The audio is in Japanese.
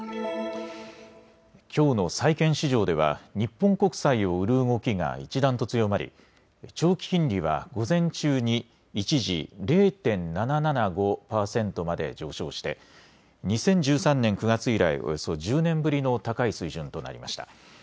きょうの債券市場では日本国債を売る動きが一段と強まり長期金利は午前中に一時、０．７７５％まで上昇して２０１３年９月以来およそ１０年ぶりの高い水準となりました。